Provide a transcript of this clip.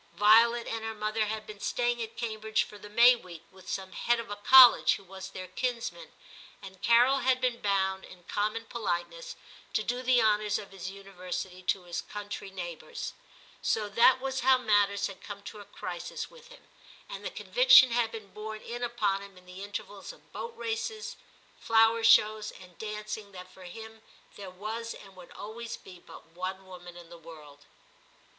Violet and her mother had been staying at Cambridge for the May week with some Head of a college who was their kinsman, and Carol had been bound, in common politeness, to do the honours of his University to his country neighbours ; so that was how matters had come to a crisis with him, and the conviction had been borne in upon him in the intervals X TIM 231 of boat races, flower shows, and dancing that for him there was and would always be but one woman in the world.